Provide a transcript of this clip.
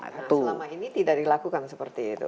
karena selama ini tidak dilakukan seperti itu